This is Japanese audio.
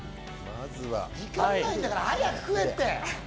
ま時間ないんだから早く食えって！